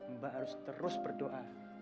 mbak harus terus berdoa